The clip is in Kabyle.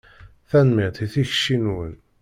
Tanemmirt i tikci-nwen.